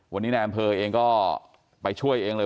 วันนี้นายอำเภอเองก็ไปช่วยเองเลย